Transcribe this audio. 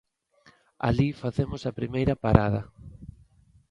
Alí facemos a primeira parada.